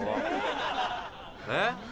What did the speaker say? えっ？